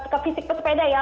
ke fisik pesepeda ya